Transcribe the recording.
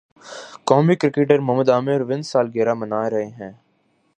قومی کرکٹر محمد عامر ویں سالگرہ منا رہے ہیں